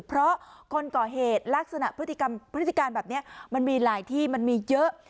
เพราะคนก่อเหตุลักษณะพฤติกรรมพฤติการแบบนี้มันมีหลายที่มันมีเยอะ